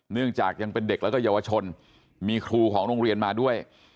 เนื่องจากยังเป็นเด็กแล้วก็เยาวชนมีครูของโรงเรียนมาด้วย